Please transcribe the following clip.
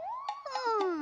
うん。